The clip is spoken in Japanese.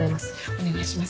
お願いします。